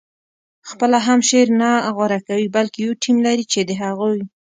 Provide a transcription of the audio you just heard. خپله هم شعر نه غوره کوي بلکې یو ټیم لري چې د هغوی